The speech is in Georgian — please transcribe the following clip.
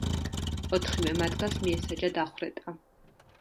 ოთხივე მათგანს მიესაჯა დახვრეტა.